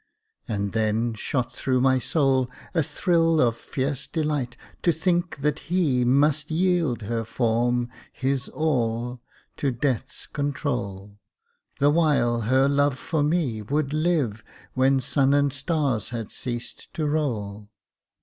And then shot through my soul A thrill of fierce delight, to think that he Must yield her form, his all, to Death's control, The while her love for me Would live, when sun and stars had ceased to roll.